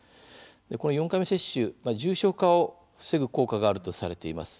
この４回目接種、重症化を防ぐ効果があるとされています。